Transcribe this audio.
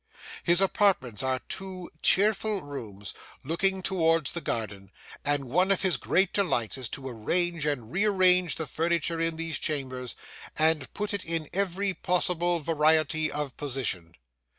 His apartments are two cheerful rooms looking towards the garden, and one of his great delights is to arrange and rearrange the furniture in these chambers, and put it in every possible variety of position.